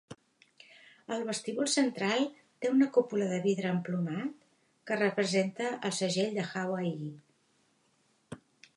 El vestíbul central té una cúpula de vidre emplomat que representa el segell de Hawaii.